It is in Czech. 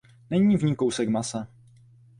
Není v ní kousek masa.